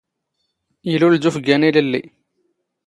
ⵉⵍⵓⵍ ⴷ ⵓⴼⴳⴰⵏ ⵉⵍⴻⵍⵍⵉ.